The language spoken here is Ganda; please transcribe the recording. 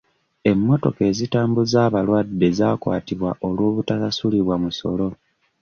Emmotoka ezitambuza abalwadde zaakwatibwa olw'obutasasulibwa musolo.